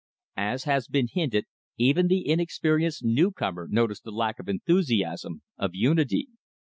As has been hinted, even the inexperienced newcomer noticed the lack of enthusiasm, of unity.